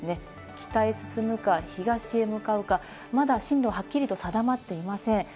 北へ進むか東へ向かうか、まだ進路、はっきりと定まっていません。